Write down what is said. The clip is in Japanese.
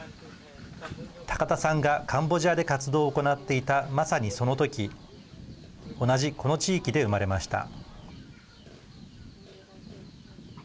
高田さんがカンボジアで活動を行っていた、まさにその時同じこの地域で生まれました。